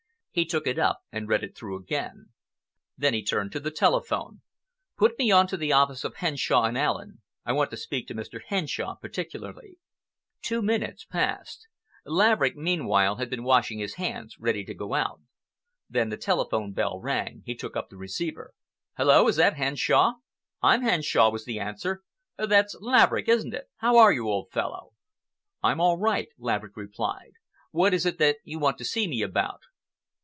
He took it up and read it though again. Then he turned to the telephone. "Put me on to the office of Henshaw & Allen. I want to speak to Mr. Henshaw particularly." Two minutes passed. Laverick, meanwhile, had been washing his hands ready to go out. Then the telephone bell rang. He took up the receiver. "Hullo! Is that Henshaw?" "I'm Henshaw," was the answer. "That's Laverick, isn't it? How are you, old fellow?" "I'm all right," Laverick replied. "What is it that you want to see me about?"